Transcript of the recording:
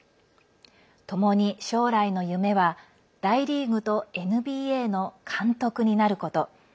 ともに将来の夢は大リーグとＮＢＡの監督になること。